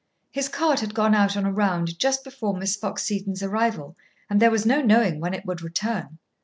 His cart had gone out on a round just before Miss Fox Seton's arrival, and there was no knowing when it would return.